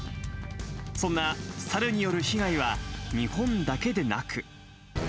そんなサルによる被害は、日本だけでなく。